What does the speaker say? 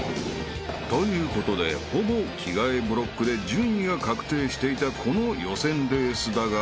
［ということでほぼ着替えブロックで順位が確定していたこの予選レースだが］